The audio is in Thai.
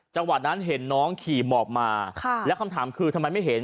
จังหวะนั้นเห็นน้องขี่หมอบมาแล้วคำถามคือทำไมไม่เห็น